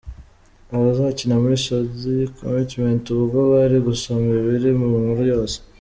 Abazakina muri Shady Commitment ubwo bari gusoma ibiri mu nkuru yose.